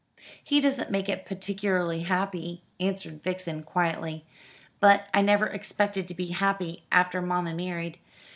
"He doesn't make it particularly happy," answered Vixen quietly; "but I never expected to be happy after mamma married.